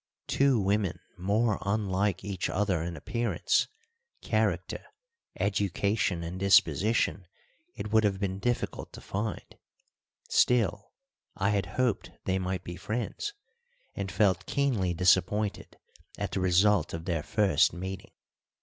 Two women more unlike each other in appearance, character, education, and disposition it would have been difficult to find; still, I had hoped they might be friends, and felt keenly disappointed at the result of their first meeting.